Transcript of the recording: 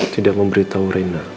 tidak memberitahu rena